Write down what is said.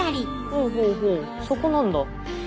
ほうほうほうそこなんだ。